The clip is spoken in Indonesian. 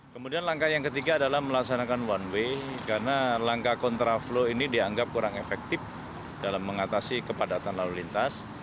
kemudian langkah yang ketiga adalah melaksanakan one way karena langkah kontraflow ini dianggap kurang efektif dalam mengatasi kepadatan lalu lintas